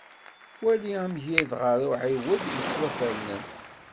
Wali amgired gar uɛiwed yettwafernen.